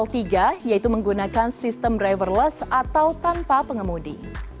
lrt jabodebek menggunakan sistem driverless atau tanpa pengemudi